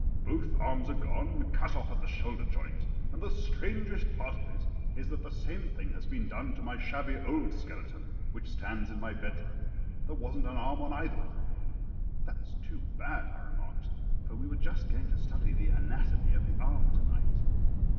Both arms are gone, cut off at the shoulder joint; and the strangest part of it is that the same thing has been done to my shabby old skeleton which stands in my bedroom. There wasn't an arm on either of them." "That's too bad," I remarked. "For we were just going to study the ANATOMY of the arm to night."